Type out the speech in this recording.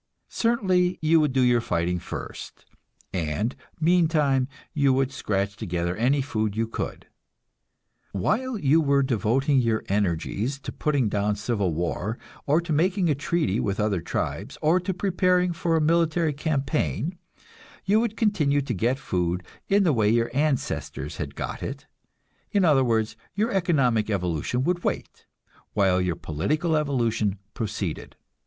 Certainly you would do your fighting first, and meantime you would scratch together any food you could. While you were devoting your energies to putting down civil war, or to making a treaty with other tribes, or to preparing for a military campaign, you would continue to get food in the way your ancestors had got it; in other words, your economic evolution would wait, while your political evolution proceeded.